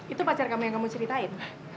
itu pacar kamu yang kamu ceritain